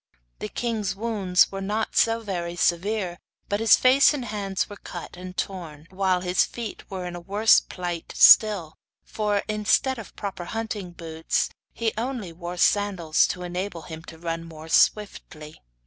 The king's wounds were not very severe, but his face and hands were cut and torn, while his feet were in a worse plight still, for, instead of proper hunting boots, he only wore sandals, to enable him to run more swiftly.